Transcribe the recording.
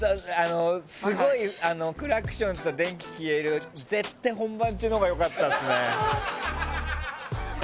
クラクションと電気消えるって絶対、本番中のほうが良かったですね。